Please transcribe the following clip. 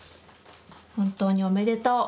本当におめでとう」。